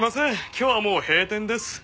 今日はもう閉店です。